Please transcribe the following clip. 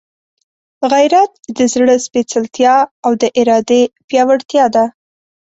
غیرت د زړه سپېڅلتیا او د ارادې پیاوړتیا ده.